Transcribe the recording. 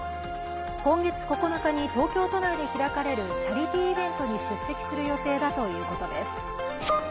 今月９日に東京都内で開かれるチャリティーイベントに出席する予定だということです。